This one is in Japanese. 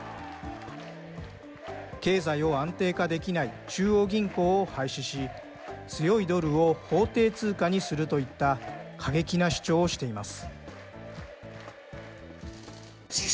経済を安定化できない中央銀行を廃止し、強いドルを法定通貨にするといった過激な主張をしています。